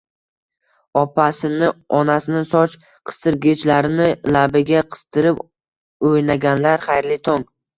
Opasini, onasini soch qistirgichlarini labiga qistirib o'ynaganlar, xayrli tong!